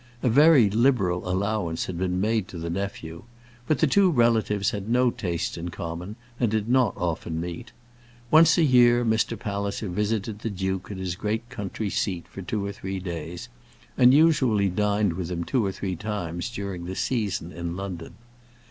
A very liberal allowance had been made to the nephew; but the two relatives had no tastes in common, and did not often meet. Once a year Mr. Palliser visited the duke at his great country seat for two or three days, and usually dined with him two or three times during the season in London.